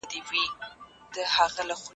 د مشر مرستیال څه کار کوي؟